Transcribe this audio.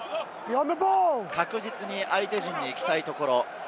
確実に相手陣に行きたいところ。